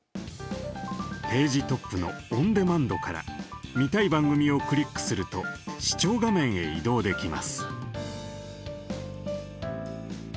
ページトップのオンデマンドから見たい番組をクリックすると視聴画面へ移動できます。